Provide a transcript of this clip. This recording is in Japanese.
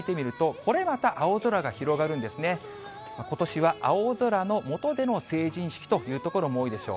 ことしは青空の下での成人式という所も多いでしょう。